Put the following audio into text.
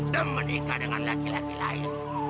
dan menikah dengan laki laki lain